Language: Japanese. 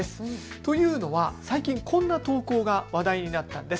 というのは最近こんな投稿が話題になったんです。